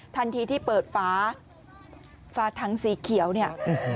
ทันทีที่เปิดฟ้าฟ้าถังสีเขียวเนี่ย